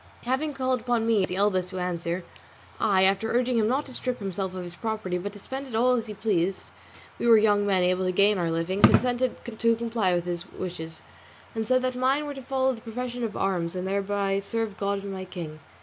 Having called upon me as the eldest to answer, I, after urging him not to strip himself of his property but to spend it all as he pleased, for we were young men able to gain our living, consented to comply with his wishes, and said that mine were to follow the profession of arms and thereby serve God and my king.